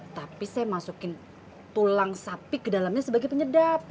tapi saya masukin tulang sapi ke dalamnya sebagai penyedap